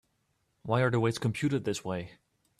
Why are the weights computed this way?